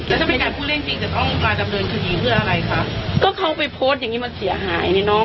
แล้วถ้ามีการพูดเรื่องจริงจะต้องมาดำเนินคดีเพื่ออะไรคะก็เขาไปโพสต์อย่างงี้มันเสียหายนี่น้อง